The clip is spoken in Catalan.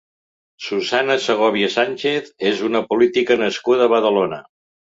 Susana Segovia Sánchez és una política nascuda a Badalona.